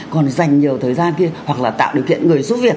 còn dành nhiều thời gian kia hoặc là tạo điều kiện người giúp việc